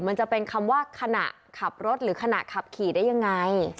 มันจะเป็นคำว่าขณะขับรถหรือขณะขับขี่ได้ยังไง